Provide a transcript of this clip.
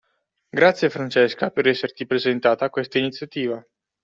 Grazie Francesca per esserti prestata a questa iniziativa